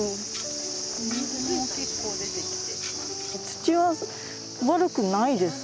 土は悪くないです。